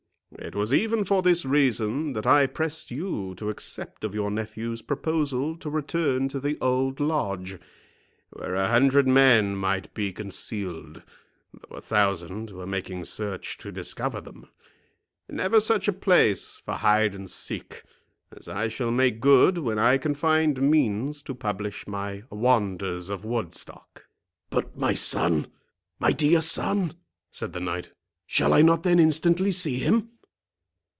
It was even for this reason that I pressed you to accept of your nephew's proposal to return to the old Lodge, where a hundred men might be concealed, though a thousand were making search to discover them. Never such a place for hide and seek, as I shall make good when I can find means to publish my Wonders of Woodstock." "But, my son—my dear son," said the knight, "shall I not then instantly see him!